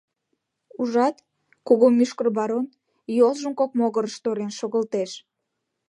Ужат, кугу мӱшкыр барон, йолжым кок могырыш торен шогылтеш.